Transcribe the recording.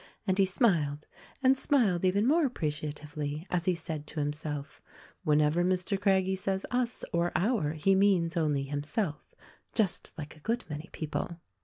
And he smiled, and smiled even more appreciatively, as he said to himself: "Whenever Mr. Craggie says us or our he means only himself— just like a good many people."